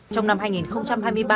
trong năm hai nghìn hai mươi ba